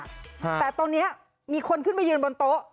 แต่ตรงนี้มีคนขึ้นไปยืนบนโต๊ะ